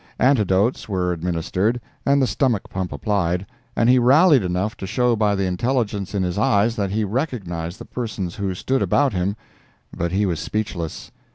Antidotes were administered, and the stomach pump applied, and he rallied enough to show by the intelligence in his eyes that he recognized the persons who stood about him, but he was speechless.